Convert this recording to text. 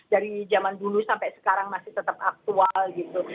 dari zaman dulu sampai sekarang masih tetap aktual gitu